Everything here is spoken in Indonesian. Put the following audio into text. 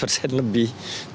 seratus persen lebih